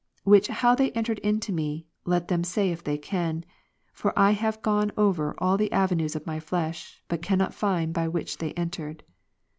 \Yhich how they entered into me, let them say if they can ; for I have gone over all the avenues of my flesh, but cannot find by which they entered.